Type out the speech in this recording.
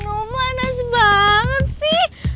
aduh panas banget sih